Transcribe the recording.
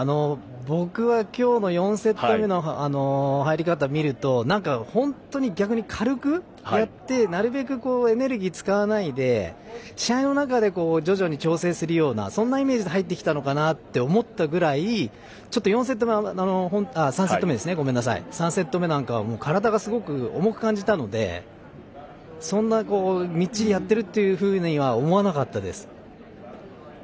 僕は今日の４セット目の入り方を見ると、逆に軽くやってなるべくエネルギーを使わないで試合の中で徐々に調整するようなそんなイメージで入ってきたのかなと思ったくらいちょっと３セット目なんかは体がすごく重たく感じたのでそんなみっちりやってるというふうには思わなかったです。